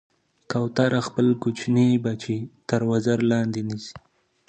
کوتره خپل کوچني بچي تر وزر لاندې نیسي.